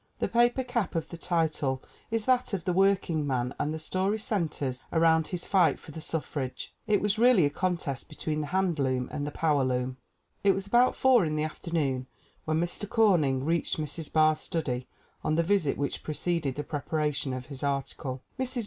The paper cap of the title is that of the workingman and the story centers around his fight for the suffrage. It was really a contest between the hand loom and the power loom. It was about 4 in the afternoon when Mr. Corning reached Mrs. Barr's study on the visit which preceded the preparation of his article. Mrs.